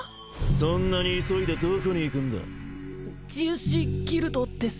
そんなに急いでどこに行くんだ治癒士ギルドです